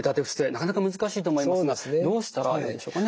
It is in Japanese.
なかなか難しいと思いますがどうしたらいいんでしょうかね？